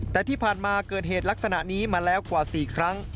แต่ที่ผ่านมาเกิดเหตุลักษณะนี้มาแล้วกว่า๔ครั้ง